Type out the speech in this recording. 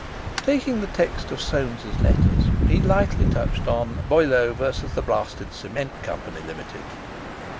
Taking the text of Soames's letters, he lightly touched on "Boileau v. The Blasted Cement Company, Limited."